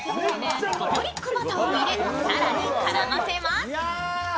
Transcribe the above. ガーリックバターを入れ、更に絡ませます。